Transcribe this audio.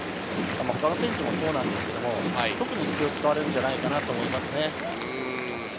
他の選手もそうなんですけれど、特に気を使うんじゃないかなと思いますね。